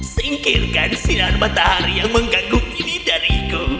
singkirkan sinar matahari yang mengganggu ini dariku